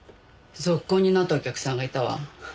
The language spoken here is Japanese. ぞっこんになったお客さんがいたわ。